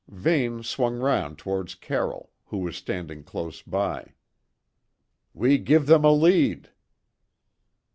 Vane swung round towards Carroll, who was standing close by. "We give them a lead."